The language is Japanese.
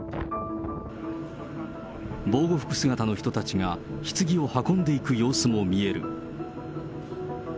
防護服姿の人たちが、ひつぎを運んでいく様子も見える。